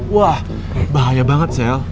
wah bahaya banget sel